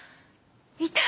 いた！